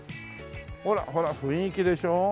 ほらほら雰囲気でしょう？